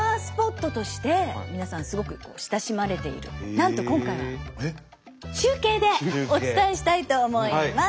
なんと今回は中継でお伝えしたいと思います。